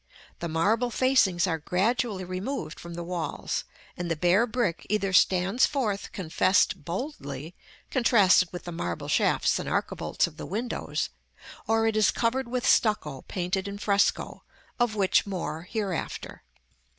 The marble facings are gradually removed from the walls; and the bare brick either stands forth confessed boldly, contrasted with the marble shafts and archivolts of the windows, or it is covered with stucco painted in fresco, of which more hereafter.